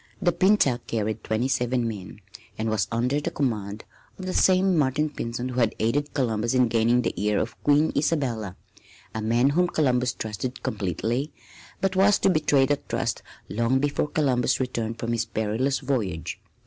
The Pinta carried twenty seven men and was under the command of the same Martin Pinzon who had aided Columbus in gaining the ear of Queen Isabella a man whom Columbus trusted completely, but who was to betray that trust long before Columbus returned from his perilous voyage.